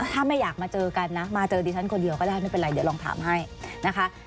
ถ้าไม่อยากมาเจอกันนะมาเจอดิฉันคนเดียวก็ได้ไม่เป็นไรเดี๋ยวลองถามให้นะคะ